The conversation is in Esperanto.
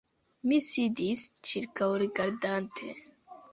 Mi sidis, ĉirkaŭrigardante.